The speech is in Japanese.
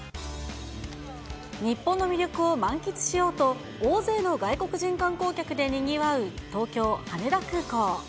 日本の魅力を満喫しようと、大勢の外国人観光客でにぎわう東京・羽田空港。